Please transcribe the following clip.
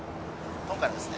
今回ですね